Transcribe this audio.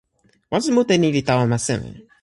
waso mute ni li tawa ma seme?